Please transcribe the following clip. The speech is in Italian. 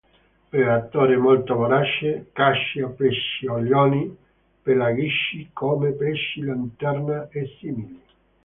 Predatore molto vorace, caccia pesciolini pelagici come pesci lanterna e simili.